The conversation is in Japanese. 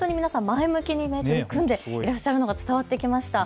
前向きに取り組んでいらっしゃるのが伝わってきました。